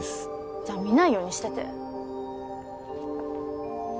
じゃあ見ないようにしてて。